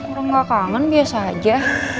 orang gak kangen biasa aja